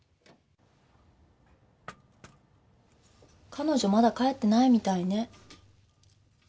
彼女まだ帰ってないみたいね。